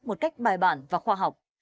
một cách bài bản và khoa học